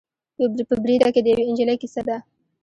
په بریده کې د یوې نجلۍ کیسه ده.